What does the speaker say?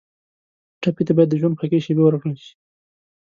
ټپي ته باید د ژوند خوږې شېبې ورکړل شي.